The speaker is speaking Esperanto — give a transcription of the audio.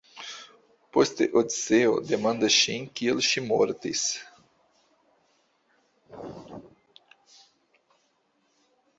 Poste Odiseo demandas ŝin kiel ŝi mortis.